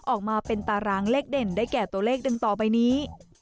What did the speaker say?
ออกมาเป็นตารางเลขเด่นได้แก่ตัวเลขดึงต่อไปนี้